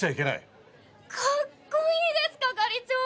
かっこいいです係長！